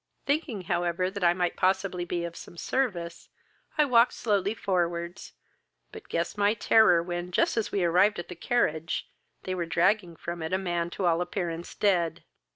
"Thinking, however, that I might possibly be of some service, I walked slowly forwards; but guess my terror, when, just as we arrived at the carriage, they were dragging from it a man to all appearance dead.